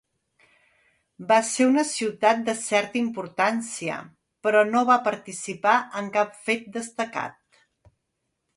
Va ser una ciutat de certa importància però no va participar en cap fet destacat.